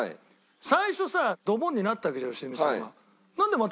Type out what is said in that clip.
最初さドボンになったわけじゃん良純さんが。